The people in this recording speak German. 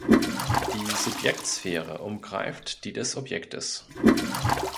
Die Subjektsphäre umgreift die des Objektes.